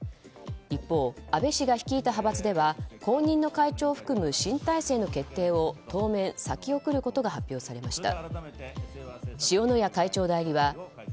一方、安倍氏が率いた派閥では後任の会長を含む新体制の決定を当面、先送ることが発表されました。